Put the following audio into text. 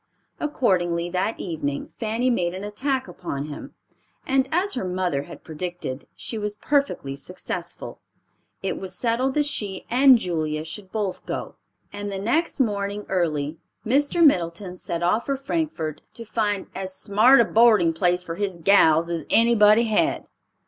Accordingly, that evening Fanny made an attack upon him, and as her mother had predicted, she was perfectly successful. It was settled that she and Julia should both go, and the next morning early Mr. Middleton set off for Frankfort to find "as smart a boarding place for his gals as anybody had."